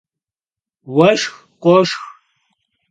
Vueşşx khoşşx.